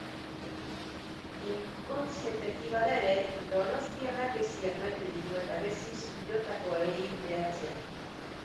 Inkontzienteki bada ere, donostiarrak geziak maite ditu eta geziz jotakoei behatzea.